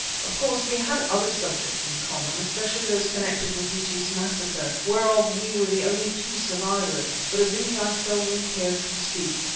Of course, we had other subjects in common, especially those connected with Retief's massacre, whereof we were the only two survivors, but of these I seldom cared to speak.